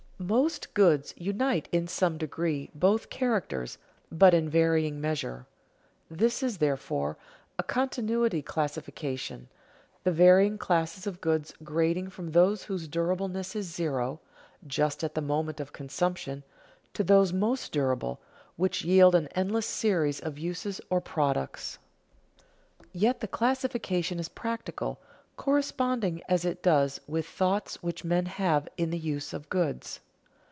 _ Most goods unite in some degree both characters, but in varying measure. This is, therefore, a continuity classification, the varying classes of goods grading from those whose durableness is zero (just at the moment of consumption) to those most durable, which yield an endless series of uses or products. Yet the classification is practical, corresponding as it does with thoughts which men have in the use of goods.